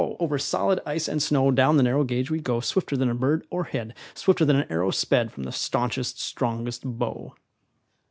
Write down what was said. Over solid ice and snow, Down the narrow gauge we go Swifter than a bird o'erhead, Swifter than an arrow sped From the staunchest, strongest bow.